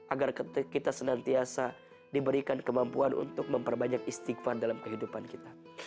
agar kita senantiasa diberikan kemampuan untuk memperbanyak istighfar dalam kehidupan kita